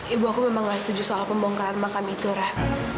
ibu aku memang gak setuju soal pembongkaran makam itu rah